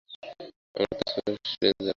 আমরা তো space rangers.